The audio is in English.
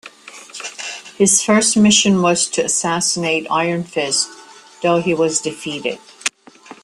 His first mission was to assassinate Iron Fist, though he was defeated.